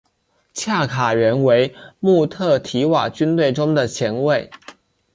恰卡原为穆特提瓦军队中的前卫。